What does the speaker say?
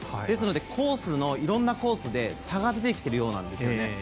ですのでいろんなコースで差が出てきているようなんです。